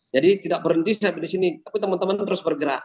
jadi tidak berhenti sampai di sini tapi teman teman terus bergerak